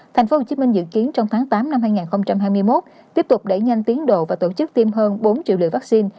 tp hcm dự kiến trong tháng tám năm hai nghìn hai mươi một tiếp tục đẩy nhanh tiến độ và tổ chức tiêm hơn bốn triệu liều vaccine